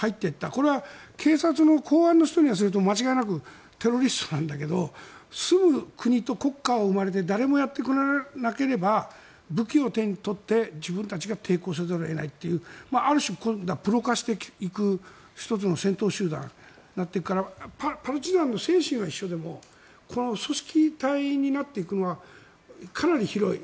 これは警察の公安の人にすると間違いなくテロリストなんだけど住む国と国家を追われて誰もやってこられなければ武器を手に取って自分たちが抵抗せざるを得ないというある種、プロ化していく１つの先頭集団になっていくからパルチザンの精神は一緒でもこの組織体になっていくのはかなり広い。